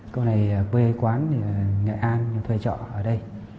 cô này quê quán nghệ an thuê trọ ở đây